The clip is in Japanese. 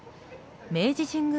明治神宮